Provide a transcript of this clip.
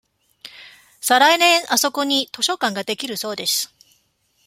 さ来年あそこに図書館ができるそうです。